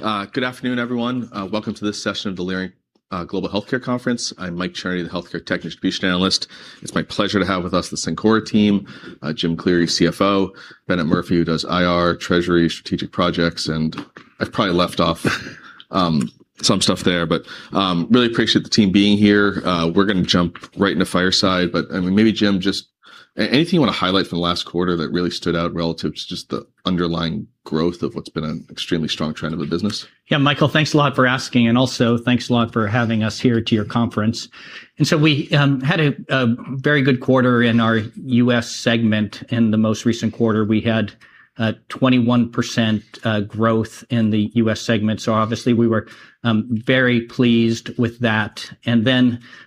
Okay. Good afternoon, everyone. Welcome to this session of the Leerink Global Healthcare Conference. I'm Mike Cherny, the Healthcare Technology and Distribution analyst. It's my pleasure to have with us the Cencora team, Jim Cleary, CFO, Bennett Murphy, who does IR, treasury, strategic projects, and I've probably left off some stuff there, but really appreciate the team being here. We're gonna jump right into fireside, but I mean, maybe Jim, just anything you wanna highlight from the last quarter that really stood out relative to just the underlying growth of what's been an extremely strong trend of the business? Yeah, Michael, thanks a lot for asking, and also thanks a lot for having us here to your conference. We had a very good quarter in our U.S. segment. In the most recent quarter, we had 21% growth in the U.S. segment, so obviously we were very pleased with that.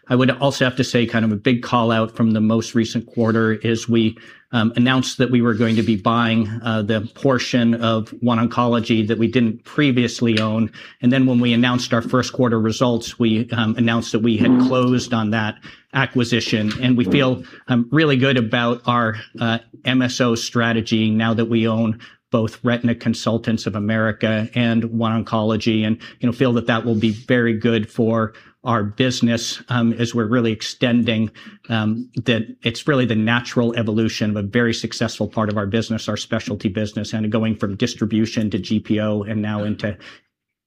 I would also have to say kind of a big call-out from the most recent quarter is we announced that we were going to be buying the portion of OneOncology that we didn't previously own. When we announced our first quarter results, we announced that we had closed on that acquisition. We feel really good about our MSO strategy now that we own both Retina Consultants of America and OneOncology and, you know, feel that that will be very good for our business, as we're really extending. It's really the natural evolution of a very successful part of our business, our specialty business, and going from distribution to GPO and now into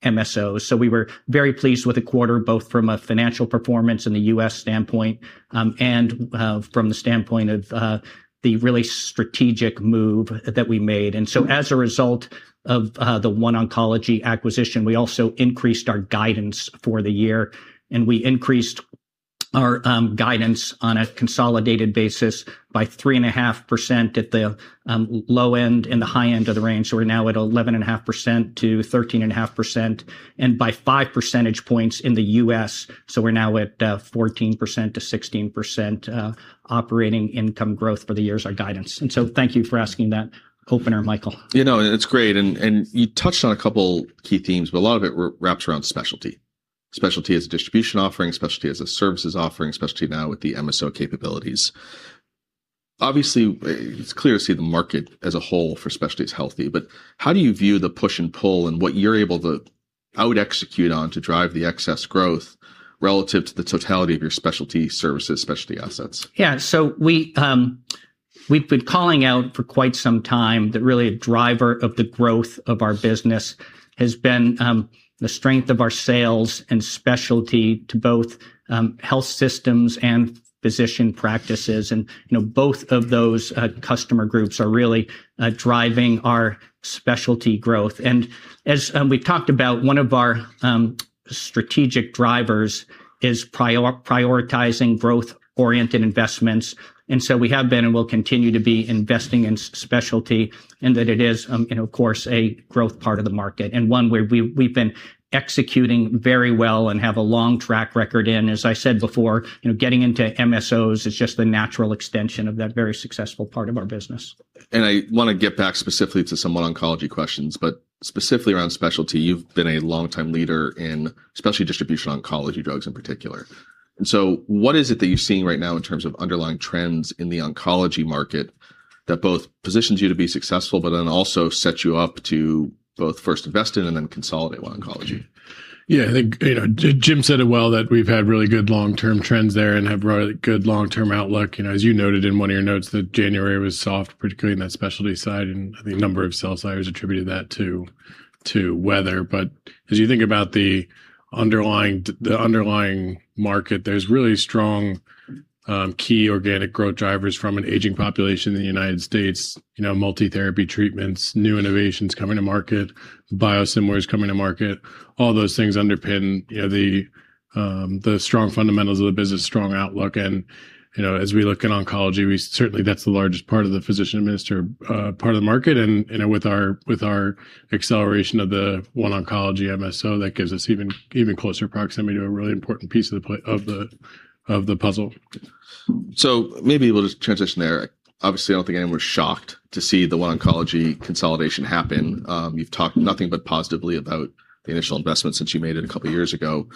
MSO. We were very pleased with the quarter, both from a financial performance in the U.S. standpoint, and from the standpoint of the really strategic move that we made. As a result of the OneOncology acquisition, we also increased our guidance for the year and we increased our guidance on a consolidated basis by 3.5% at the low end and the high end of the range. We're now at 11.5%-13.5%, and by five percentage points in the U.S., so we're now at 14%-16% operating income growth for the year as our guidance. Thank you for asking that opener, Michael. You know, it's great, and you touched on a couple key themes, but a lot of it re-wraps around specialty. Specialty as a distribution offering, specialty as a services offering, specialty now with the MSO capabilities. Obviously it's clear to see the market as a whole for specialty is healthy, but how do you view the push and pull in what you're able to out execute on to drive the excess growth relative to the totality of your specialty services, specialty assets? Yeah. We’ve been calling out for quite some time that really a driver of the growth of our business has been the strength of our sales and specialty to both health systems and physician practices and, you know, both of those customer groups are really driving our specialty growth. As we’ve talked about, one of our strategic drivers is prioritizing growth-oriented investments. We have been and will continue to be investing in specialty in that it is, you know, of course, a growth part of the market and one where we’ve been executing very well and have a long track record in. As I said before, you know, getting into MSOs is just the natural extension of that very successful part of our business. I wanna get back specifically to some OneOncology questions, but specifically around specialty. You've been a longtime leader in specialty distribution oncology drugs in particular. What is it that you're seeing right now in terms of underlying trends in the oncology market that both positions you to be successful, but then also sets you up to both first invest in and then consolidate OneOncology? Yeah, I think, you know, Jim said it well that we've had really good long-term trends there and have really good long-term outlook. You know, as you noted in one of your notes that January was soft, particularly in that specialty side and. Mm-hmm The number of sales cycles attributed that to weather. As you think about the underlying market, there's really strong key organic growth drivers from an aging population in the United States. You know, multi-therapy treatments, new innovations coming to market, biosimilars coming to market, all those things underpin, you know, the strong fundamentals of the business, strong outlook. You know, as we look in oncology, certainly that's the largest part of the physician administered part of the market. You know, with our acceleration of the OneOncology MSO, that gives us even closer proximity to a really important piece of the puzzle. Maybe we'll just transition there. Obviously, I don't think anyone was shocked to see the OneOncology consolidation happen. You've talked nothing but positively about the initial investment since you made it a couple years ago.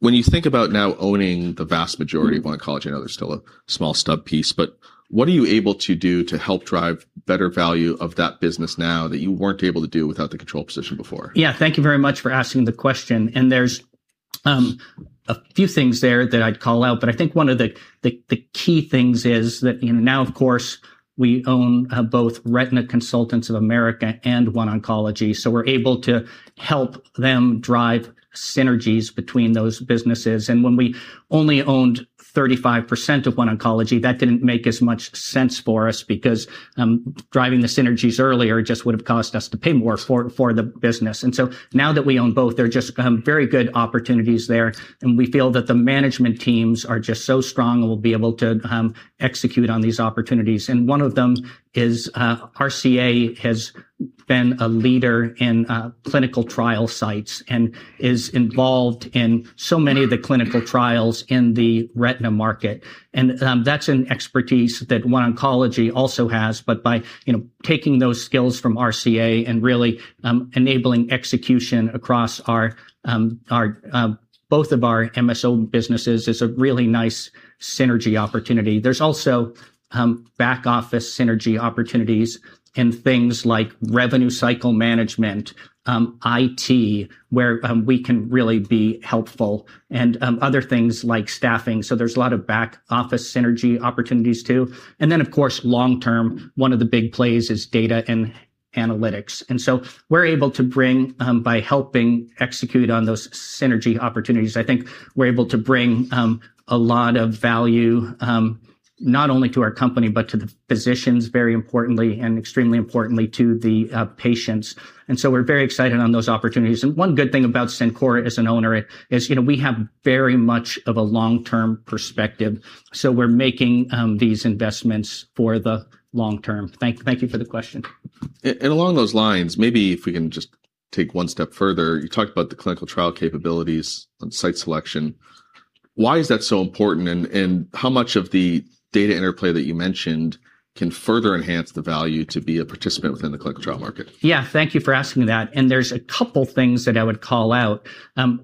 When you think about now owning the vast majority of OneOncology, I know there's still a small stub piece, but what are you able to do to help drive better value of that business now that you weren't able to do without the control position before? Yeah. Thank you very much for asking the question. There's a few things there that I'd call out, but I think one of the key things is that, you know, now of course we own both Retina Consultants of America and OneOncology, so we're able to help them drive synergies between those businesses. When we only owned 35% of OneOncology, that didn't make as much sense for us because driving the synergies earlier just would've cost us to pay more for the business. Now that we own both, there are just very good opportunities there and we feel that the management teams are just so strong and will be able to execute on these opportunities. One of them is RCA has been a leader in clinical trial sites and is involved in so many of the clinical trials in the retina market and that's an expertise that OneOncology also has. By you know taking those skills from RCA and really enabling execution across our both of our MSO businesses is a really nice synergy opportunity. There's also back office synergy opportunities in things like revenue cycle management IT where we can really be helpful and other things like staffing. There's a lot of back office synergy opportunities too. Of course long term one of the big plays is Data & Analytics. By helping execute on those synergy opportunities, I think we're able to bring a lot of value, not only to our company, but to the physicians very importantly, and extremely importantly to the patients. We're very excited on those opportunities. One good thing about Cencora as an owner is, you know, we have very much of a long-term perspective, so we're making these investments for the long term. Thank you for the question. Along those lines, maybe if we can just take one step further, you talked about the clinical trial capabilities on site selection. Why is that so important? How much of the data interplay that you mentioned can further enhance the value to be a participant within the clinical trial market? Yeah, thank you for asking that. There's a couple things that I would call out.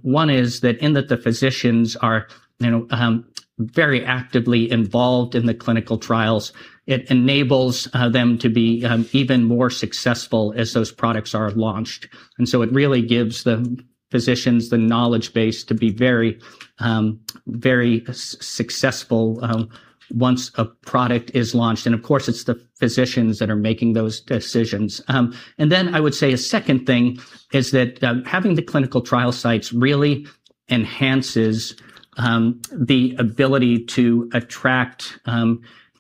One is that the physicians are, you know, very actively involved in the clinical trials, it enables them to be even more successful as those products are launched. It really gives the physicians the knowledge base to be very successful once a product is launched. Of course, it's the physicians that are making those decisions. Then I would say a second thing is that having the clinical trial sites really enhances the ability to attract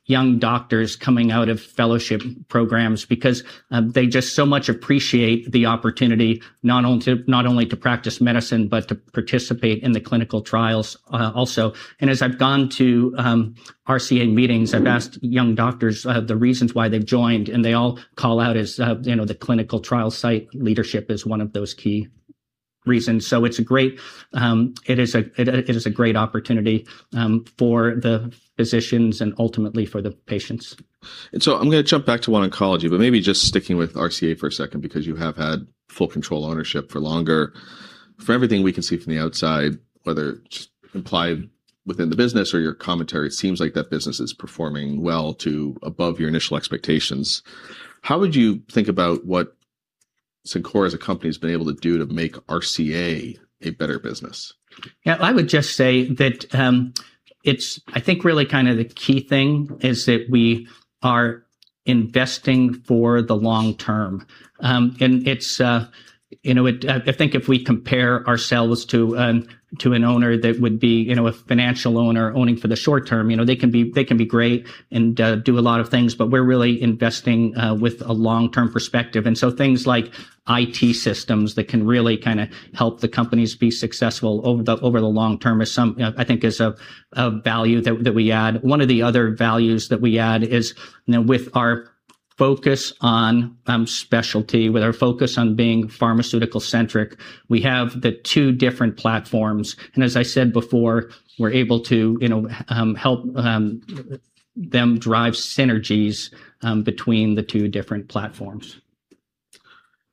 young doctors coming out of fellowship programs because they just so much appreciate the opportunity not only to practice medicine, but to participate in the clinical trials also. As I've gone to RCA meetings, I've asked young doctors the reasons why they've joined, and they all call out as you know, the clinical trial site leadership is one of those key reasons. It's a great opportunity for the physicians and ultimately for the patients. I'm gonna jump back to OneOncology, but maybe just sticking with RCA for a second because you have had full control ownership for longer. For everything we can see from the outside, whether it's implied within the business or your commentary, it seems like that business is performing well above your initial expectations. How would you think about what Cencora as a company has been able to do to make RCA a better business? Yeah, I would just say that, I think really kind of the key thing is that we are investing for the long term. It's, you know, I think if we compare ourselves to an owner that would be, you know, a financial owner owning for the short term, you know, they can be great and do a lot of things, but we're really investing with a long-term perspective. Things like IT systems that can really kind of help the companies be successful over the long term is, you know, I think a value that we add. One of the other values that we add is, you know, with our focus on specialty, with our focus on being pharmaceutical-centric, we have the two different platforms, and as I said before, we're able to, you know, help them drive synergies between the two different platforms.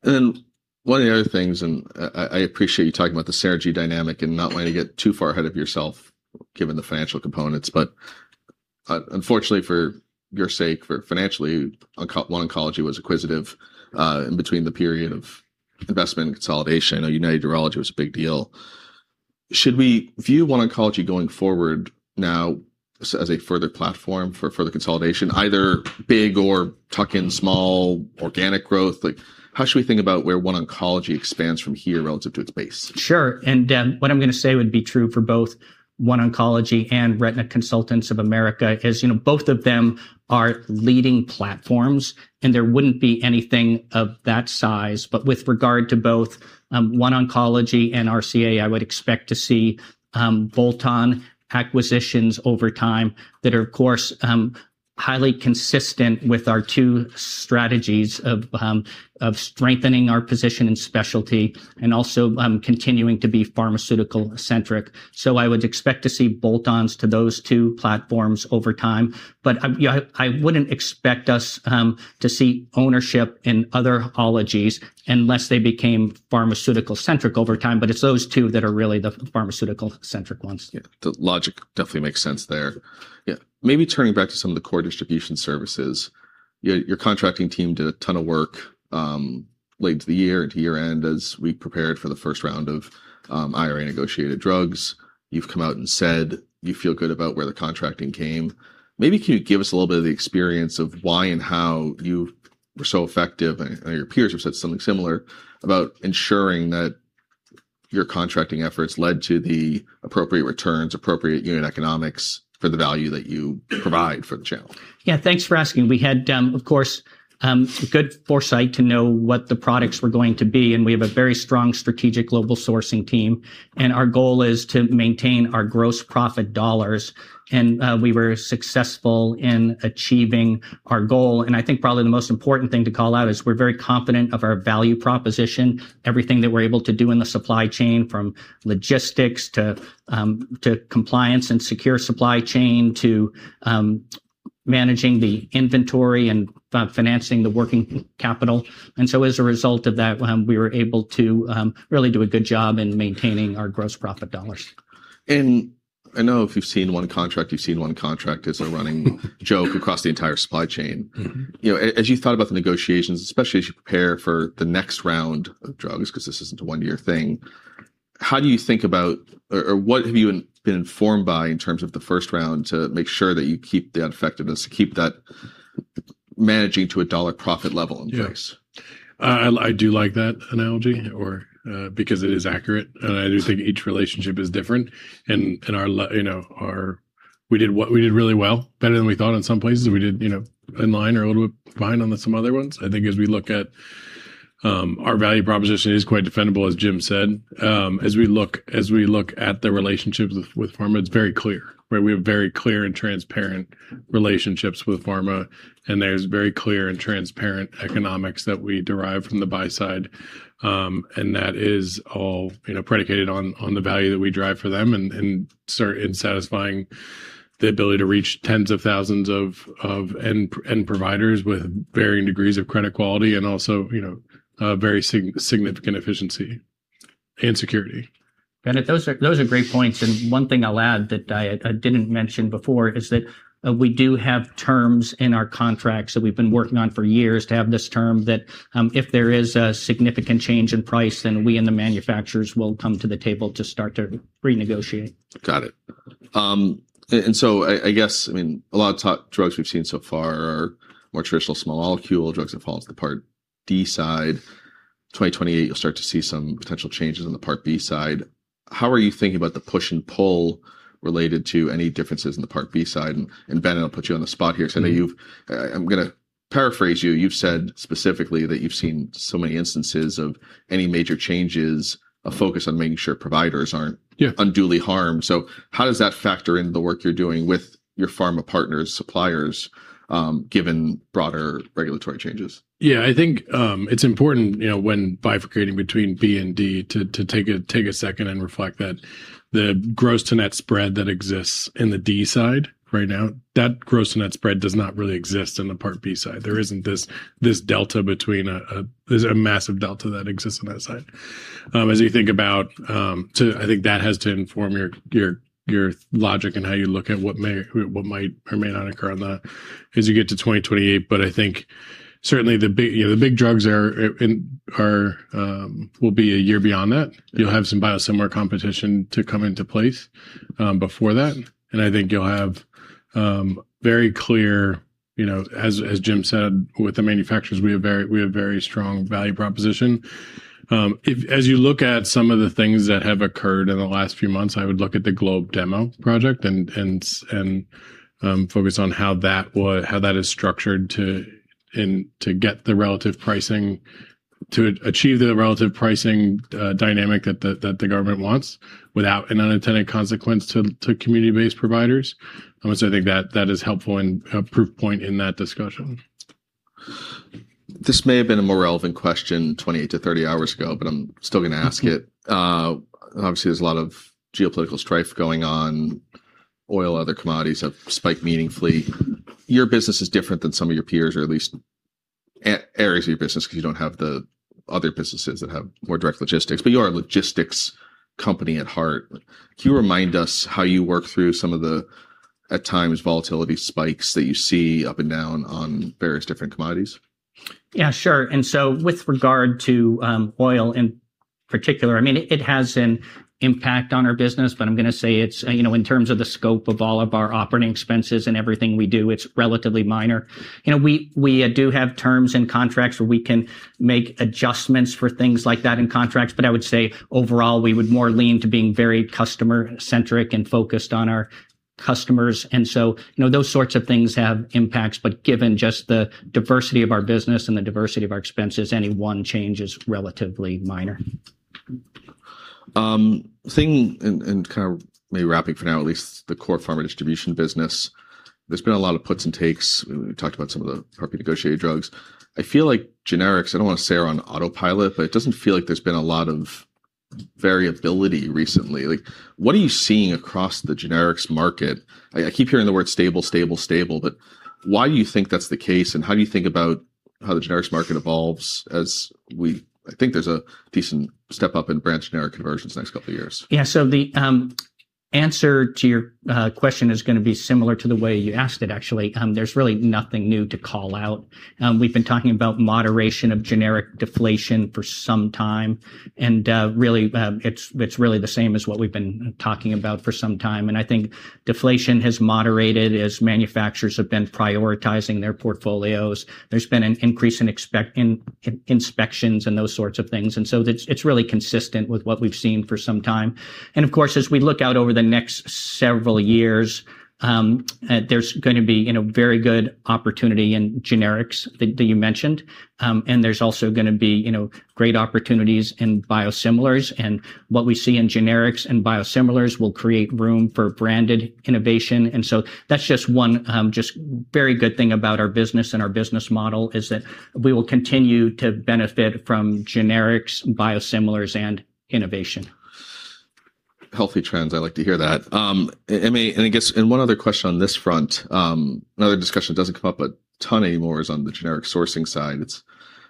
One of the other things, I appreciate you talking about the synergy dynamic and not wanting to get too far ahead of yourself given the financial components, but unfortunately for your sake, for financially, OneOncology was acquisitive in between the period of investment and consolidation. United Urology Group was a big deal. Should we view OneOncology going forward now as a further platform for further consolidation, either big or tuck in small organic growth? Like, how should we think about where OneOncology expands from here relative to its base? Sure. What I'm gonna say would be true for both OneOncology and Retina Consultants of America is, you know, both of them are leading platforms, and there wouldn't be anything of that size. With regard to both OneOncology and RCA, I would expect to see bolt-on acquisitions over time that are, of course, highly consistent with our two strategies of strengthening our position in specialty and also continuing to be pharmaceutical-centric. I would expect to see bolt-ons to those two platforms over time. Yeah, I wouldn't expect us to see ownership in other oncologies unless they became pharmaceutical-centric over time, but it's those two that are really the pharmaceutical-centric ones, yeah. The logic definitely makes sense there. Yeah. Maybe turning back to some of the core distribution services. Your contracting team did a ton of work late into the year, into year-end, as we prepared for the first round of IRA negotiated drugs. You've come out and said you feel good about where the contracting came. Maybe can you give us a little bit of the experience of why and how you were so effective, and your peers have said something similar, about ensuring that your contracting efforts led to the appropriate returns, appropriate unit economics for the value that you provide for the channel? Yeah. Thanks for asking. We had, of course, good foresight to know what the products were going to be, and we have a very strong strategic global sourcing team, and our goal is to maintain our gross profit dollars, and we were successful in achieving our goal. I think probably the most important thing to call out is we're very confident of our value proposition, everything that we're able to do in the supply chain, from logistics to compliance and secure supply chain, to managing the inventory and financing the working capital. As a result of that, we were able to really do a good job in maintaining our gross profit dollars. I know if you've seen one contract, you've seen one contract as a running joke across the entire supply chain. Mm-hmm. You know, as you thought about the negotiations, especially as you prepare for the next round of drugs, 'cause this isn't a one-year thing. How do you think about, or what have you been informed by in terms of the first round to make sure that you keep that effectiveness, keep that managing to a dollar profit level in place? Yes. I do like that analogy because it is accurate, and I do think each relationship is different. We did really well, better than we thought in some places. We did, you know, in line or a little bit behind on some other ones. I think as we look at our value proposition is quite defendable, as Jim said. As we look at the relationships with pharma, it's very clear, right? We have very clear and transparent relationships with pharma, and there's very clear and transparent economics that we derive from the buy side. That is all, you know, predicated on the value that we drive for them and satisfying the ability to reach tens of thousands of end providers with varying degrees of credit quality and also, you know, very significant efficiency and security. Bennett, those are great points. One thing I'll add that I didn't mention before is that we do have terms in our contracts that we've been working on for years to have this term that if there is a significant change in price, then we and the manufacturers will come to the table to start to renegotiate. Got it. I guess, I mean, a lot of the drugs we've seen so far are more traditional small molecule drugs that fall into the Part D side. 2028, you'll start to see some potential changes on the Part B side. How are you thinking about the push and pull related to any differences in the Part B side? Bennett, I'll put you on the spot here today. Mm-hmm. I'm gonna paraphrase you. You've said specifically that you've seen so many instances of any major changes, a focus on making sure providers aren't- Yeah unduly harmed. How does that factor into the work you're doing with your pharma partners, suppliers, given broader regulatory changes? Yeah. I think it's important, you know, when bifurcating between B and D to take a second and reflect that the gross to net spread that exists in the D side right now, that gross to net spread does not really exist in the Part B side. There isn't this delta between. There's a massive delta that exists on that side. As you think about, I think that has to inform your logic and how you look at what may or might or may not occur on that as you get to 2028. I think certainly the big, you know, the big drugs are and will be a year beyond that. Yeah. You'll have some biosimilar competition to come into place before that, and I think you'll have very clear, you know, as Jim said, with the manufacturers, we have very strong value proposition. If, as you look at some of the things that have occurred in the last few months, I would look at the GLOBE Demo project and focus on how that is structured to get the relative pricing to achieve the relative pricing dynamic that the government wants without an unintended consequence to community-based providers. I think that is helpful and a proof point in that discussion. This may have been a more relevant question 28-30 hours ago, but I'm still gonna ask it. Mm-hmm. Obviously, there's a lot of geopolitical strife going on. Oil, other commodities have spiked meaningfully. Your business is different than some of your peers or at least areas of your business because you don't have the other businesses that have more direct logistics, but you are a logistics company at heart. Can you remind us how you work through some of the, at times, volatility spikes that you see up and down on various different commodities? Yeah, sure. With regard to oil in particular, I mean, it has an impact on our business, but I'm gonna say it's, you know, in terms of the scope of all of our operating expenses and everything we do, it's relatively minor. You know, we do have terms and contracts where we can make adjustments for things like that in contracts, but I would say overall, we would more lean to being very customer-centric and focused on our customers. You know, those sorts of things have impacts, but given just the diversity of our business and the diversity of our expenses, any one change is relatively minor. Kinda maybe wrapping for now at least the core pharma distribution business, there's been a lot of puts and takes. We talked about some of the properly negotiated drugs. I feel like generics, I don't wanna say are on autopilot, but it doesn't feel like there's been a lot of variability recently. Like, what are you seeing across the generics market? I keep hearing the word stable, but why do you think that's the case, and how do you think about how the generics market evolves? I think there's a decent step up in brand generic conversions the next couple of years. Yeah. The answer to your question is gonna be similar to the way you asked it, actually. There's really nothing new to call out. We've been talking about moderation of generic deflation for some time, and really, it's really the same as what we've been talking about for some time. I think deflation has moderated as manufacturers have been prioritizing their portfolios. There's been an increase in inspections and those sorts of things. It's really consistent with what we've seen for some time. Of course, as we look out over the next several years, there's gonna be, you know, very good opportunity in generics that you mentioned. There's also gonna be, you know, great opportunities in biosimilars. What we see in generics and biosimilars will create room for branded innovation. That's just one, just very good thing about our business and our business model is that we will continue to benefit from generics, biosimilars, and innovation. Healthy trends, I like to hear that. I mean, one other question on this front, another discussion that doesn't come up a ton anymore is on the generic sourcing side. It's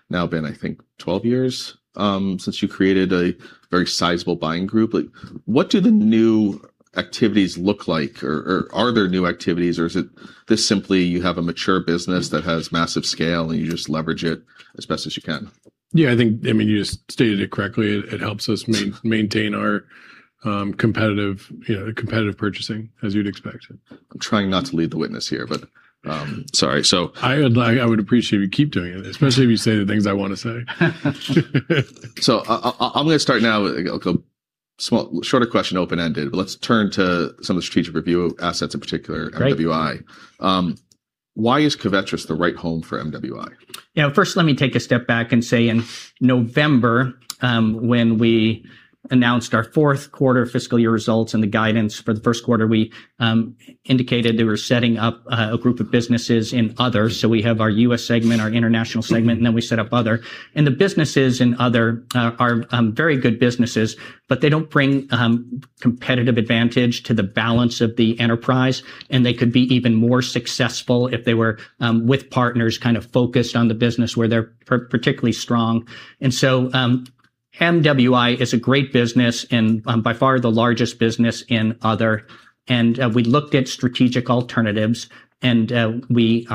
now been, I think, 12 years since you created a very sizable buying group. Like, what do the new activities look like or are there new activities or is it just simply you have a mature business that has massive scale and you just leverage it as best as you can? Yeah, I think, I mean, you just stated it correctly. It helps us maintain our, you know, competitive purchasing as you'd expect. I'm trying not to lead the witness here, but, sorry. I would appreciate if you keep doing it, especially if you say the things I want to say. I'm gonna start now with like a small, shorter question, open-ended. Let's turn to some of the strategic review assets, in particular MWI. Great. Why is Covetrus the right home for MWI? Yeah. First, let me take a step back and say in November, when we announced our fourth quarter fiscal year results and the guidance for the first quarter, we indicated we were setting up a group of businesses in Other. We have our U.S. segment, our international segment, and then we set up Other. The businesses in Other are very good businesses, but they don't bring competitive advantage to the balance of the enterprise, and they could be even more successful if they were with partners kind of focused on the business where they're particularly strong. MWI is a great business and by far the largest business in Other. We looked at strategic alternatives, and we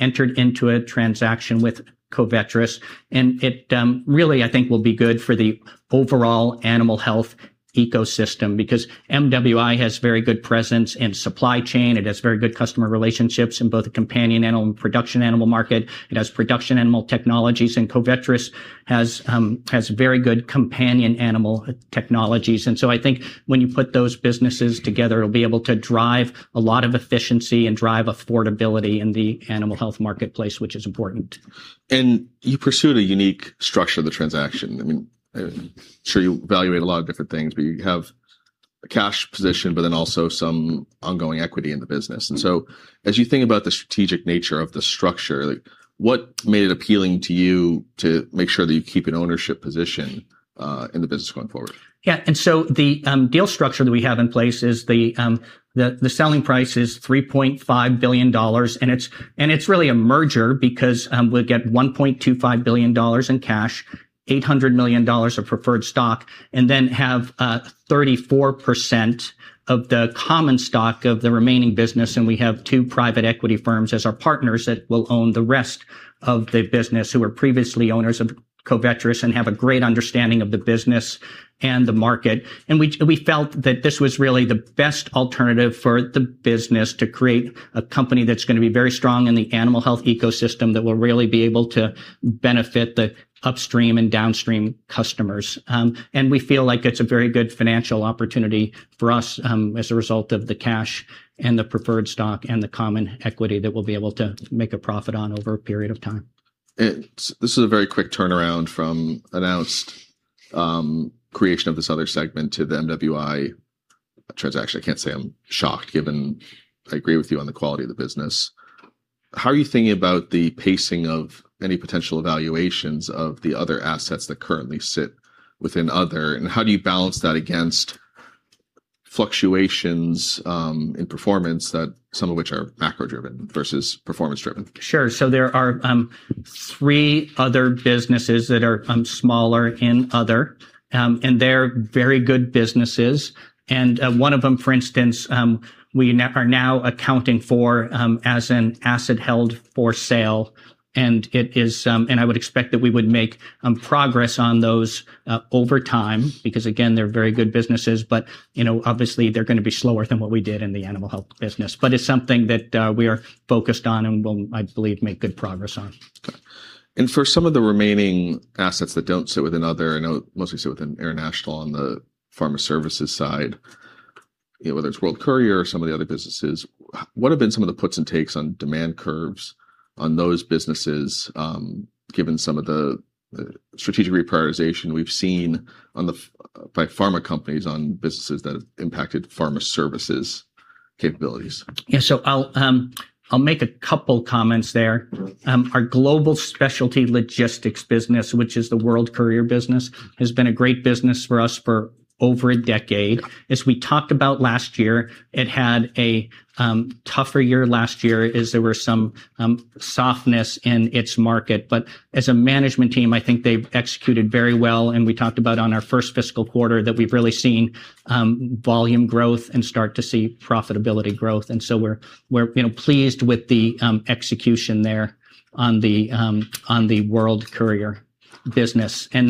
entered into a transaction with Covetrus, and it really, I think will be good for the overall animal health ecosystem because MWI has very good presence in supply chain, it has very good customer relationships in both the companion animal and production animal market. It has production animal technologies, and Covetrus has very good companion animal technologies. I think when you put those businesses together, it'll be able to drive a lot of efficiency and drive affordability in the animal health marketplace, which is important. You pursued a unique structure of the transaction. I mean, I'm sure you evaluate a lot of different things. You have a cash position, but then also some ongoing equity in the business. As you think about the strategic nature of the structure, like what made it appealing to you to make sure that you keep an ownership position in the business going forward? Yeah. The deal structure that we have in place is the selling price is $3.5 billion, and it's really a merger because we'll get $1.25 billion in cash, $800 million of preferred stock, and then have 34% of the common stock of the remaining business, and we have two private equity firms as our partners that will own the rest of the business who were previously owners of Covetrus and have a great understanding of the business and the market. We felt that this was really the best alternative for the business to create a company that's gonna be very strong in the animal health ecosystem that will really be able to benefit the upstream and downstream customers. We feel like it's a very good financial opportunity for us, as a result of the cash and the preferred stock and the common equity that we'll be able to make a profit on over a period of time. This is a very quick turnaround from announced creation of this other segment to the MWI transaction. I can't say I'm shocked given I agree with you on the quality of the business. How are you thinking about the pacing of any potential evaluations of the other assets that currently sit within other, and how do you balance that against fluctuations in performance that some of which are macro-driven versus performance-driven? Sure. There are three other businesses that are smaller in other, and they're very good businesses. One of them, for instance, we are now accounting for as an asset held for sale, and I would expect that we would make progress on those over time because, again, they're very good businesses. You know, obviously, they're gonna be slower than what we did in the animal health business. It's something that we are focused on and will, I believe, make good progress on. Okay. For some of the remaining assets that don't sit within other, I know mostly sit within international on the pharma services side, you know, whether it's World Courier or some of the other businesses, what have been some of the puts and takes on demand curves on those businesses, given some of the strategic reprioritization we've seen by pharma companies on businesses that have impacted pharma services capabilities? Yeah. I'll make a couple comments there. Mm-hmm. Our global specialty logistics business, which is the World Courier business, has been a great business for us for over a decade. As we talked about last year, it had a tougher year last year as there were some softness in its market. As a management team, I think they've executed very well, and we talked about on our first fiscal quarter that we've really seen volume growth and start to see profitability growth. We're, you know, pleased with the execution there on the World Courier business. You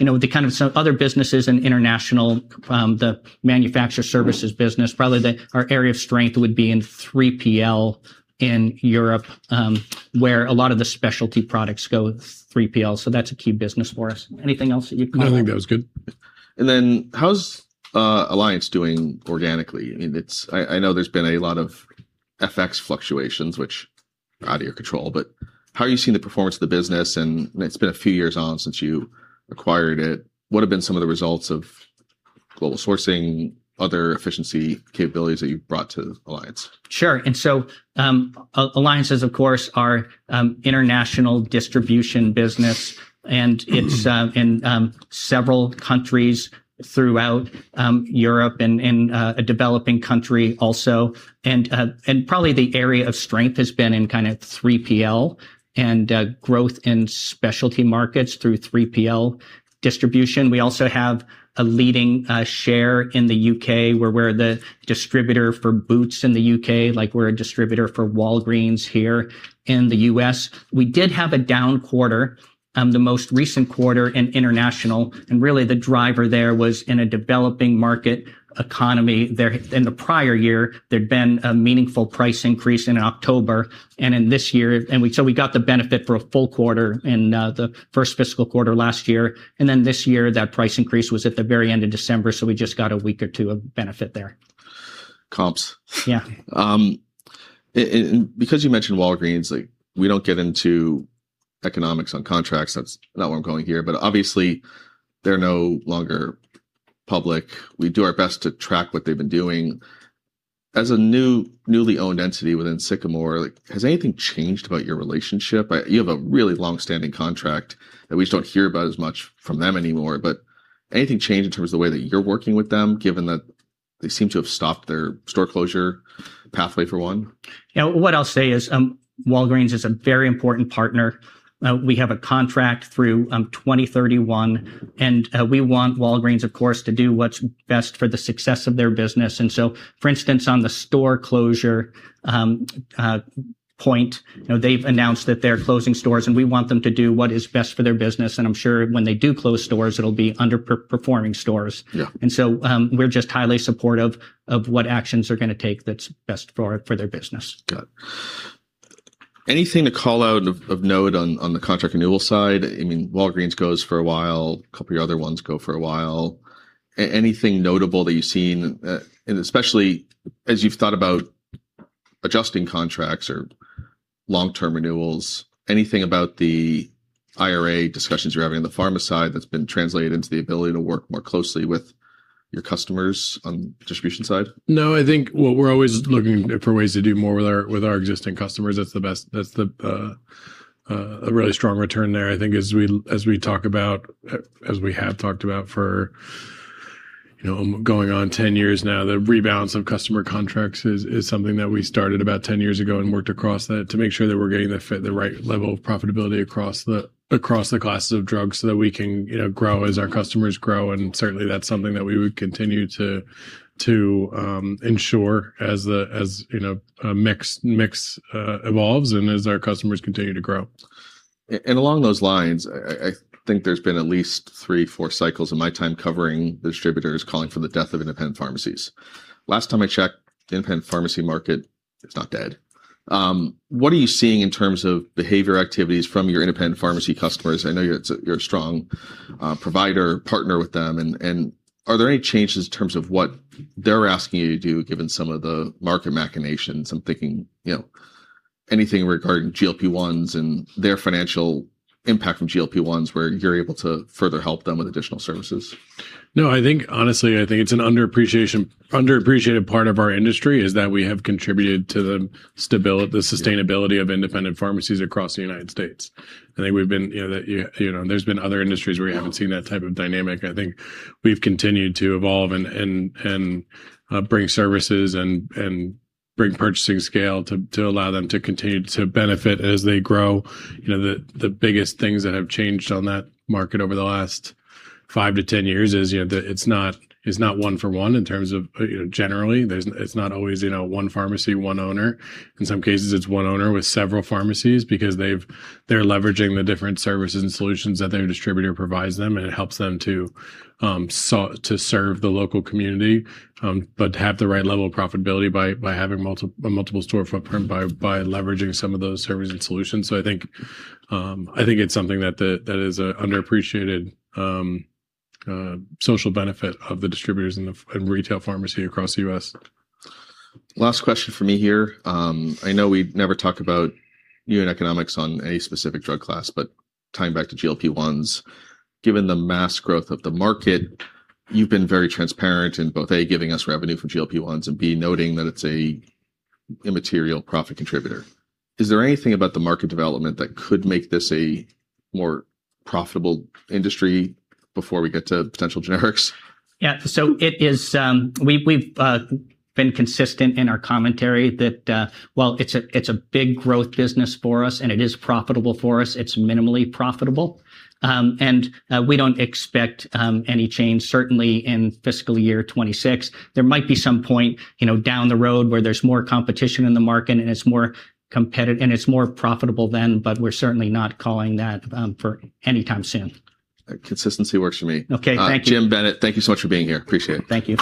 know, kind of some other businesses in international, the manufacturer services business, probably our area of strength would be in 3PL in Europe, where a lot of the specialty products go 3PL. That's a key business for us. Anything else that you'd- No, I think that was good. Then how's Alliance doing organically? I mean, I know there's been a lot of FX fluctuations which are out of your control, but how are you seeing the performance of the business? It's been a few years on since you acquired it. What have been some of the results of global sourcing other efficiency capabilities that you've brought to Alliance. Sure. Alliance's, of course, our international distribution business and it's in several countries throughout Europe and a developing country also. Probably the area of strength has been in kind of 3PL and growth in specialty markets through 3PL distribution. We also have a leading share in the U.K., where we're the distributor for Boots in the U.K., like we're a distributor for Walgreens here in the U.S. We did have a down quarter, the most recent quarter in international, and really the driver there was in a developing market economy there. In the prior year, there'd been a meaningful price increase in October. We got the benefit for a full quarter in the first fiscal quarter last year. Then this year that price increase was at the very end of December, so we just got a week or two of benefit there. Comps. Yeah. Because you mentioned Walgreens, like, we don't get into economics on contracts. That's not where I'm going here. Obviously they're no longer public. We do our best to track what they've been doing. As a newly owned entity within Sycamore, like, has anything changed about your relationship? You have a really long-standing contract that we just don't hear about as much from them anymore. Anything change in terms of the way that you're working with them, given that they seem to have stopped their store closure pathway for one? Yeah. What I'll say is, Walgreens is a very important partner. We have a contract through 2031, and we want Walgreens, of course, to do what's best for the success of their business. For instance, on the store closure point, you know, they've announced that they're closing stores, and we want them to do what is best for their business, and I'm sure when they do close stores, it'll be under-performing stores. Yeah. We're just highly supportive of what actions they're gonna take that's best for their business. Got it. Anything to call out of note on the contract renewal side? I mean, Walgreens goes for a while, a couple of your other ones go for a while. Anything notable that you've seen, and especially as you've thought about adjusting contracts or long-term renewals, anything about the IRA discussions you're having on the pharma side that's been translated into the ability to work more closely with your customers on the distribution side? No, I think what we're always looking for ways to do more with our existing customers. That's a really strong return there. I think as we have talked about for, you know, going on 10 years now, the rebalance of customer contracts is something that we started about 10 years ago and worked across that to make sure that we're getting the fit, the right level of profitability across the classes of drugs, so that we can, you know, grow as our customers grow. Certainly, that's something that we would continue to ensure as the mix evolves and as our customers continue to grow. Along those lines, I think there's been at least three or 4 cycles in my time covering distributors calling for the death of independent pharmacies. Last time I checked, the independent pharmacy market is not dead. What are you seeing in terms of behavior activities from your independent pharmacy customers? I know you're a strong provider partner with them. Are there any changes in terms of what they're asking you to do, given some of the market machinations? I'm thinking, you know, anything regarding GLP-1s and their financial impact from GLP-1s, where you're able to further help them with additional services. No, I think honestly, it's an underappreciated part of our industry is that we have contributed to the stabil- Yeah. The sustainability of independent pharmacies across the United States. I think we've been, you know, that you know, there's been other industries where you haven't seen that type of dynamic. I think we've continued to evolve and bring services and bring purchasing scale to allow them to continue to benefit as they grow. You know, the biggest things that have changed on that market over the last five to 10 years is, you know, it's not one for one in terms of, you know, generally. It's not always, you know, one pharmacy, one owner. In some cases, it's one owner with several pharmacies because they're leveraging the different services and solutions that their distributor provides them, and it helps them to serve the local community, but have the right level of profitability by having a multiple store footprint by leveraging some of those services and solutions. I think it's something that is an underappreciated social benefit of the distributors and retail pharmacy across the U.S. Last question from me here. I know we never talk about unit economics on a specific drug class, but tying back to GLP-1s, given the massive growth of the market, you've been very transparent in both, A, giving us revenue from GLP-1s, and B, noting that it's a immaterial profit contributor. Is there anything about the market development that could make this a more profitable industry before we get to potential generics? It is. We've been consistent in our commentary that while it's a big growth business for us and it is profitable for us, it's minimally profitable. We don't expect any change certainly in fiscal year 2026. There might be some point, you know, down the road where there's more competition in the market and it's more competitive and it's more profitable then, but we're certainly not calling that for any time soon. Consistency works for me. Okay. Thank you. Jim, Bennett, thank you so much for being here. Appreciate it. Thank you.